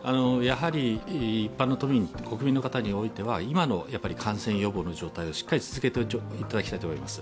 一般の国民の方においては、今の感染予防の状態をしっかり続けていただきたいと思います。